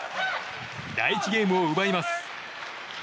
第１ゲームを奪います。